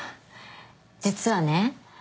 実はね。